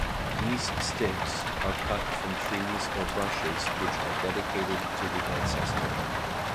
These sticks are cut from trees or bushes which are dedicated to the ancestor.